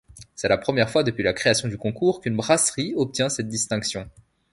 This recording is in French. C'est la première fois depuis la création du concours qu'une brasserie obtient cette distinction.